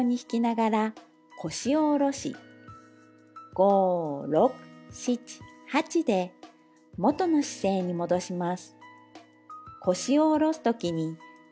「５６７８で元の姿勢に戻します」